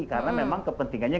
karena memang kepentingannya